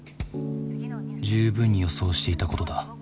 十分に予想していたことだ。